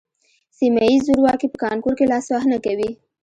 سیمه ییز زورواکي په کانکور کې لاسوهنه کوي